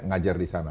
ngajar di sana